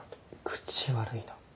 口悪いな。